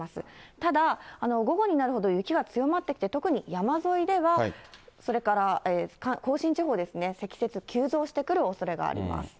ただ、午後になるほど雪が強まってきて、特に山沿いでは、それから甲信地方ですね、積雪急増してくるおそれがあります。